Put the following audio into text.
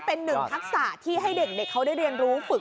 เป็นหนึ่งทักษะที่ให้เด็กเขาได้เรียนรู้ฝึก